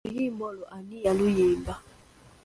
Oluyimba olwo ani yaluyimba?